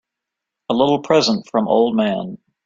A little present from old man.